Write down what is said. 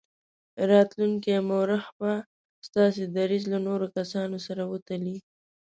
راتلونکی مورخ به ستاسې دریځ له نورو کسانو سره وتلي.